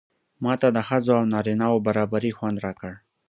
ماته د ښځو او نارینه و برابري خوند راکړ.